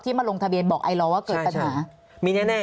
ที่มาลงทะเบียนบอกไอลอร์ว่าเกิดปัญหา